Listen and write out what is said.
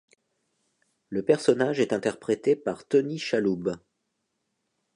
Le personnage est interprété par Tony Shalhoub.